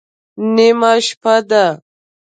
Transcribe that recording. _نيمه شپه ده.